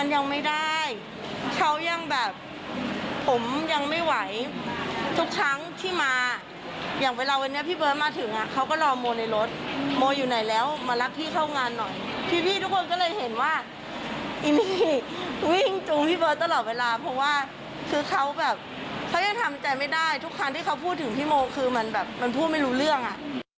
ยังไม่ได้เขายังแบบผมยังไม่ไหวทุกครั้งที่มาอย่างเวลาวันนี้พี่เบิร์ตมาถึงอ่ะเขาก็รอโมในรถโมอยู่ไหนแล้วมารับพี่เข้างานหน่อยพี่พี่ทุกคนก็เลยเห็นว่าอีนี่วิ่งจูงพี่เบิร์ตตลอดเวลาเพราะว่าคือเขาแบบเขายังทำใจไม่ได้ทุกครั้งที่เขาพูดถึงพี่โมคือมันแบบมันพูดไม่รู้เรื่องอ่ะ